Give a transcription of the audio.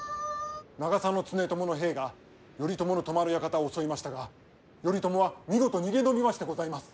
長狭常伴の兵が頼朝の泊まる館を襲いましたが頼朝は見事逃げ延びましてございます。